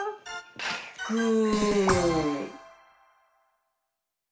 グー！